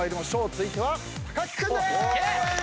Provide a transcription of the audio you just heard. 続いては木君でーす。